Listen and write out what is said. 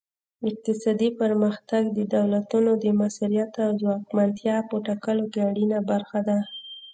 اقتصادي پرمختګ د دولتونو د موثریت او ځواکمنتیا په ټاکلو کې اړینه برخه ده